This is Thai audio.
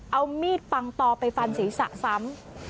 เอามีดปังตอไปฟันศีรษะซ้ำ